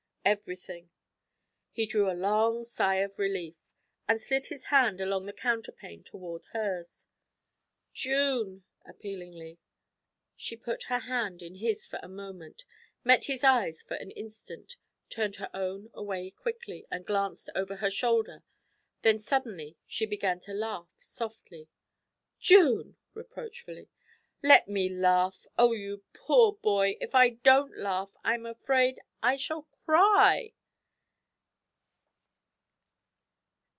'Everything.' He drew a long sigh of relief, and slid his hand along the counterpane toward hers. 'June,' appealingly. She put her hand in his for a moment, met his eyes for an instant, turned her own away quickly, and glanced over her shoulder; then suddenly she began to laugh softly. 'June!' reproachfully. 'Let me laugh! Oh, you poor boy! If I don't laugh, I'm afraid I shall cry!'